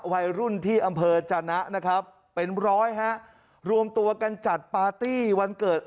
วัยรุ่นที่อำเภอจนะนะครับเป็นร้อยฮะรวมตัวกันจัดปาร์ตี้วันเกิด